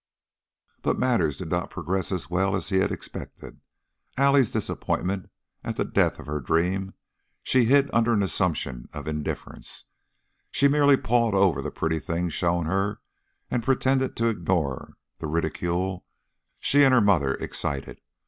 But matters did not progress as well as he had expected. Allie's disappointment at the death of her dream she hid under an assumption of indifference; she merely pawed over the pretty things shown her and pretended to ignore the ridicule she and her mother excited.